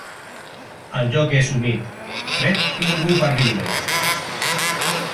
El lloc és humit, fred i molt dur per viure-hi.